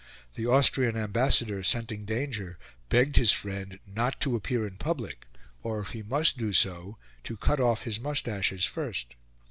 The Austrian Ambassador, scenting danger, begged his friend not to appear in public, or, if he must do so, to cut off his moustaches first.